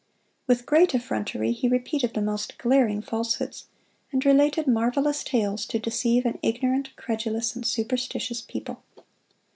With great effrontery he repeated the most glaring falsehoods, and related marvelous tales to deceive an ignorant, credulous, and superstitious people.